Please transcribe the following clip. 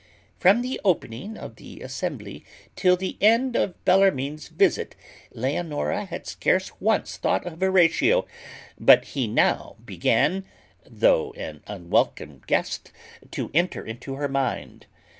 From the opening of the assembly till the end of Bellarmine's visit, Leonora had scarce once thought of Horatio; but he now began, though an unwelcome guest, to enter into her mind.